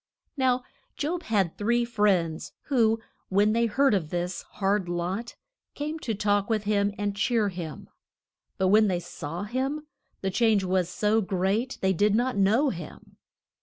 Now Job had three friends, who, when they heard of his hard lot, came to talk with him and cheer him. But when they saw him, the change was so great they did not know him.